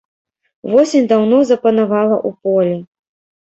Восень даўно запанавала ў полі.